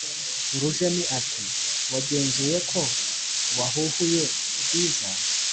urujeni ati"wagenzuye ko wahuhuye bwiza